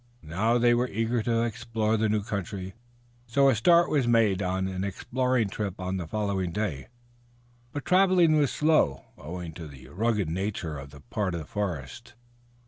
Now they were eager to explore the new country, so a start was made on an exploring trip on the following day, but traveling was slow owing to the rugged nature of that part of the forest.